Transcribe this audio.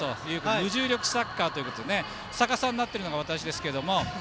無重力サッカーということで逆さまになっているのが私ですが。